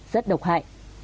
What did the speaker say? rất độc hại